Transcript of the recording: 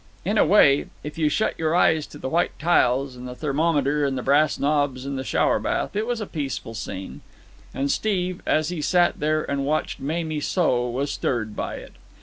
In a way, if you shut your eyes to the white tiles and the thermometer and the brass knobs and the shower bath, it was a peaceful scene; and Steve, as he sat there and watched Mamie sew, was stirred by it.